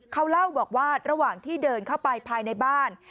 เขาเล่าบอกว่าระหว่างที่เดินเข้าไปภายในบ้าน